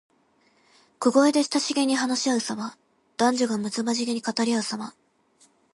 小声で親しげに話しあうさま。男女がむつまじげに語りあうさま。